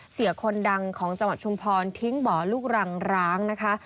เสียคนดังของจังหวัดชุมพรทิ้งบ่อลูกรังร้างนะคะ